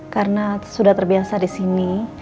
karena sudah terbiasa disini